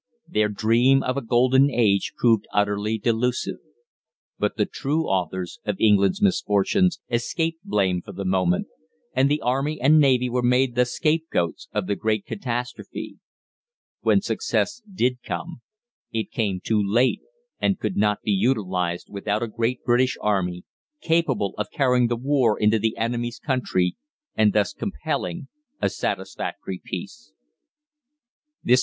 Their dream of a golden age proved utterly delusive. But the true authors of England's misfortunes escaped blame for the moment, and the Army and Navy were made the scapegoats of the great catastrophe. When success did come, it came too late, and could not be utilised without a great British Army capable of carrying the war into the enemy's country, and thus compelling a satisfactory peace. THE END.